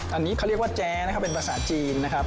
อันนี้เขาเรียกว่าแจ๊นะครับเป็นภาษาจีนนะครับ